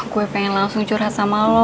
gue pengen langsung curhat sama lo